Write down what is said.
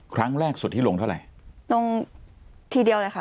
ครั้งแรกสุดที่ลงเท่าไหร่ลงทีเดียวเลยค่ะ